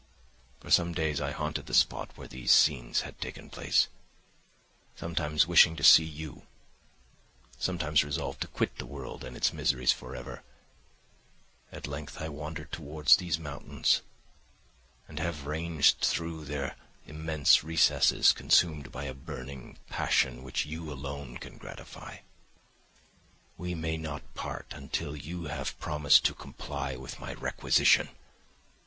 "For some days I haunted the spot where these scenes had taken place, sometimes wishing to see you, sometimes resolved to quit the world and its miseries for ever. At length I wandered towards these mountains, and have ranged through their immense recesses, consumed by a burning passion which you alone can gratify. We may not part until you have promised to comply with my requisition.